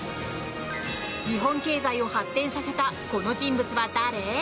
日本経済を発展させたこの人物は誰？